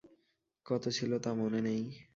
কত ছিল তা মনে নেই।